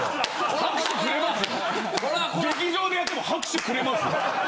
劇場でやっても拍手くれますよ。